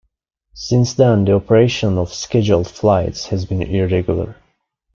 Since then the operation of scheduled flights has been irregular.